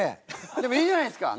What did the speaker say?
でもいいじゃないですか。